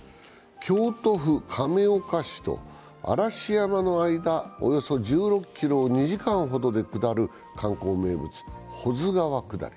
京都府亀岡市と嵐山の間およそ１６ｋｍを２時間ほどで下る観光名物保津川下り。